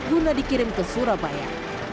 guna dikirim ke surabaya